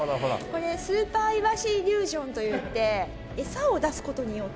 これスーパーイワシイリュージョンといってエサを出す事によって。